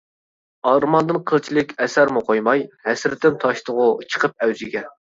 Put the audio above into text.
ئارماندىن قىلچىلىك ئەسەرمۇ قويماي، ھەسرىتىم تاشتىغۇ چىقىپ ئەۋجىگە.